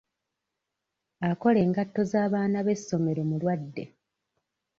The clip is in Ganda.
Akola engatto z'abaana b'essomero mulwadde.